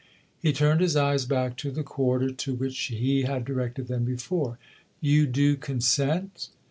He turned his eyes back to the quarter to which he had directed them before. " You do consent